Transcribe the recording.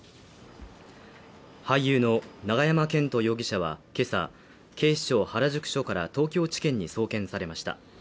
俳優の永山絢斗容疑者は、今朝、警視庁原宿署から東京地検に送検されました。